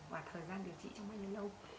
và thời gian điều trị trong bao nhiêu lâu